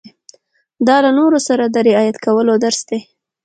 دا له نورو سره د رعايت کولو درس دی.